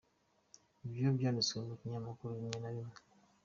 Ibyo byanditswe mu binyamakuru bimwe na bimwe.